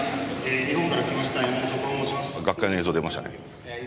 学会の映像出ましたね。